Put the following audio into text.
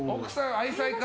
愛妻家。